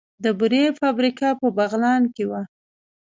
د بورې فابریکه په بغلان کې وه